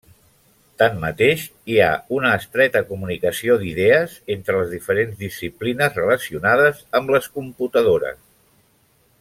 Tanmateix, hi ha una estreta comunicació d'idees entre les diferents disciplines relacionades amb les computadores.